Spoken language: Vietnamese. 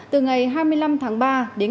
từ ngày hai mươi năm tháng ba đến